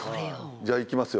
じゃあいきますよ